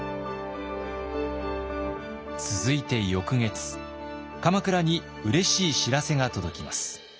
続いて翌月鎌倉にうれしい知らせが届きます。